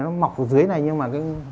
nó mọc ở dưới này nhưng mà